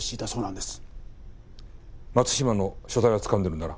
松島の所在はつかんでるんだな？